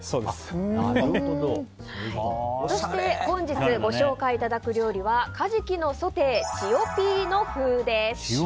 本日ご紹介いただく料理はカジキのソテーチオピーノ風です。